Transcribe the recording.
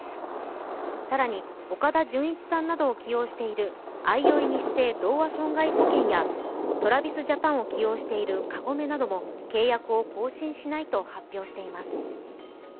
更に岡田准一さんなどを起用しているあいおいニッセイ同和損害保険や、ＴｒａｖｉｓＪａｐａｎを起用しているカゴメなども契約を更新しないと発表しています。